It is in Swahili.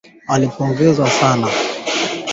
Pia anatetea kuwepo uwakilishi sawa katika ofisi za umma